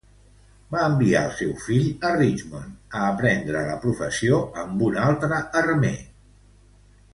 Va enviar el seu fill a Richmond a aprendre la professió amb un altre armer.